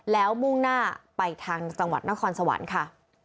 แล้วมุ่งหน้าไปทางจังหวัดนครสวรรค์ค่ะ